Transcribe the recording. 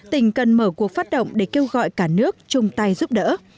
tỉnh cần mở cuộc phát động để kêu gọi cả nước chung tay giúp đỡ